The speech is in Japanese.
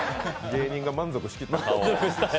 芸人が満足しきった顔。